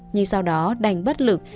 nhưng sau đó đành bất lực